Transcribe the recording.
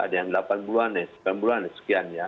ada yang delapan bulan ya delapan bulan sekian ya